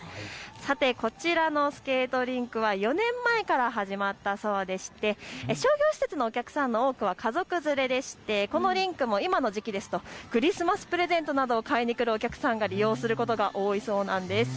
こちらのスケートリンクは４年前から始まったそうでして商業施設のお客さんの多くは家族連れでしてこのリンクも今の時期ですとクリスマスプレゼントなどを買いに来るお客さんが利用することが多いそうなんです。